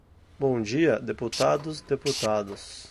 Bom dia, deputados, deputados.